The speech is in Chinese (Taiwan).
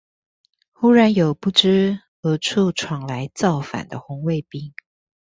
忽然有不知何處闖來造反的紅衛兵